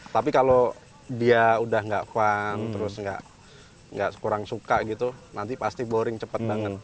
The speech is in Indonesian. tapi kalau dia udah nggak fun terus kurang suka gitu nanti pasti boring cepet banget